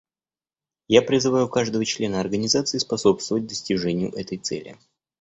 Я призываю каждого члена Организации способствовать достижению этой цели.